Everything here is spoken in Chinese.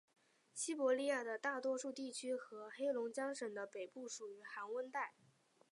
西伯利亚的大多数地区和黑龙江省的北部属于寒温带。